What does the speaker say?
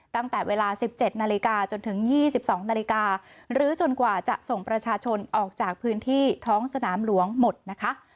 ตั้งแต่เวลา๑๗นาฬิกาจนถึง๒๒นาฬิกาหรือจนกว่าจะส่งประชาชนออกจากพื้นที่ท้องสนามหลวงหมดนะคะ